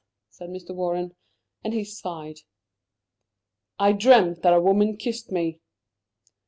said Mr. Warren. And he sighed. "I dreamt that a woman kissed me!"